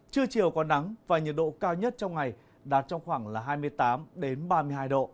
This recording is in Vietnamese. trưa chiều có nắng và nhiệt độ cao nhất trong ngày đạt trong khoảng hai mươi tám ba mươi hai độ